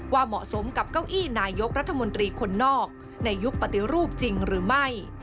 เหมาะสมกับเก้าอี้นายกรัฐมนตรีคนนอกในยุคปฏิรูปจริงหรือไม่